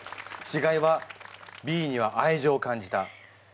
ちがいはＢには愛情を感じた。